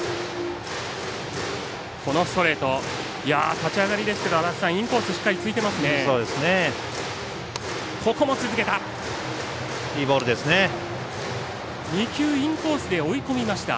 立ち上がりですけどインコースしっかりついてますね。